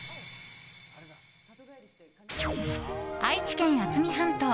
愛知県渥美半島。